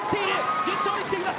順調に来ています。